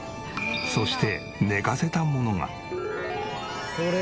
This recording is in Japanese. そして寝かせたものが。